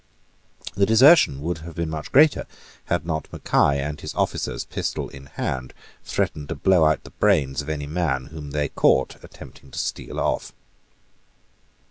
The desertion would have been much greater, had not Mackay and his officers, pistol in hand, threatened to blow out the brains of any man whom they caught attempting to steal off.